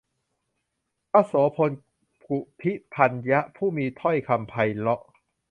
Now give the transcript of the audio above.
พระโสณกุฎิกัณณะ ผู้มีถ้อยคำไพเราะ